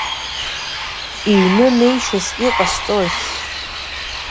Иҩны неишьас иҟасҵои?